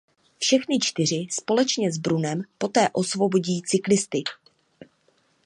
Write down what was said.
Všechny čtyři společně s Brunem poté osvobodí cyklisty.